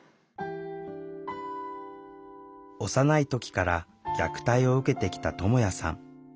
幼い時から虐待を受けてきたともやさん。